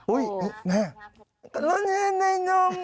อุ๊ยแม่